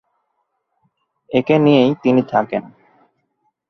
একে নিয়েই তিনি থাকেন।